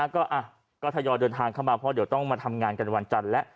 ก็ทยอยเดินทางเข้ามาเพราะเดี๋ยวต้องมาทำงานกันวันจันทร์แล้ว